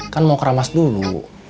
kan mau keramas dulu